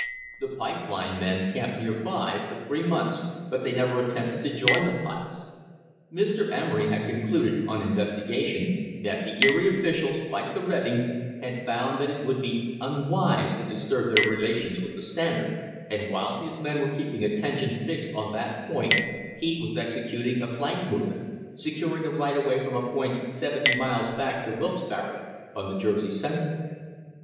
The pipe line men camped near by for three months, but they never attempted to join the pipes. Mr. Emery had concluded, on investigation, that the Erie officials, like the Reading, had found that it would be unwise to dis turb their relations with the Standard, and while his men were keeping attention fixed on that point he was executing a flank movement, securing a right of way from a point seventy miles back to Wilkesbarre, on the Jersey Central.